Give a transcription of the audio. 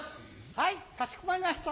はいかしこまりました。